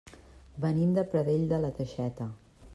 Venim de Pradell de la Teixeta.